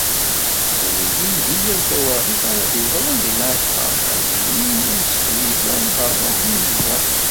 Ad ilin deg yal tawaɣit ara d-yeḍrun deg Mεatqa, ad d-illin i useḥbiber n lerwaḥ n yimezdaɣ.